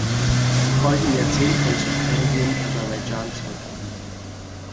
Im folgenden Jahrzehnt konnte Persien Aserbaidschan zurückgewinnen.